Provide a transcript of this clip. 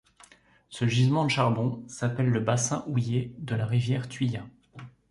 Ce gisement de charbon s'appelle le bassin houiller de la rivière Tuya.